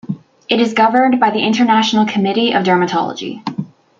It is governed by the International Committee of Dermatology.